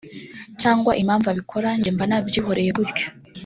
cyangwa impamvu abikora njye mba nabyihoreye gutyo